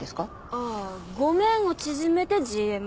ああ「ごめん」を縮めてＧＭ。